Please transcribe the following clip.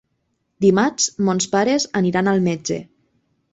Dimarts mons pares aniran al metge.